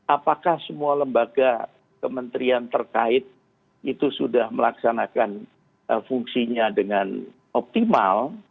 apakah semua lembaga kementerian terkait itu sudah melaksanakan fungsinya dengan optimal